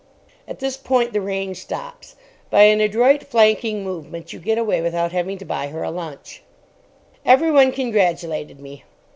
(At this point the rain stops. By an adroit flanking movement you get away without having to buy her a lunch.) Everyone congratulated me.